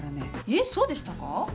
えっそうでしたか？